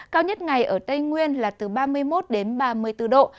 cao nhất ngày ở tây nguyên là từ ba mươi một ba mươi bốn độ